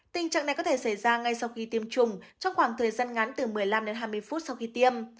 tình trạng này có thể xảy ra ngay sau khi tiêm chủng trong khoảng thời gian ngắn từ một mươi năm đến hai mươi phút sau khi tiêm